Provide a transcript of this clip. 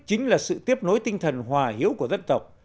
chính là sự tiếp nối tinh thần hòa hiếu của dân tộc